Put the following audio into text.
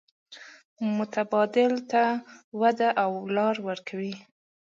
متبادل ته وده او لار ورکوي.